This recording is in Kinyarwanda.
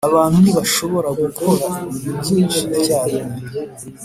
abantu ntibashobora gukora ibintu byinshi icyarimwe.